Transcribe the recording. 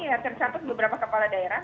ya tercatat beberapa kepala daerah